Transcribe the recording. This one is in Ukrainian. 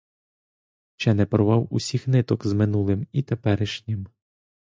Ще не порвав усіх ниток з минулим і теперішнім.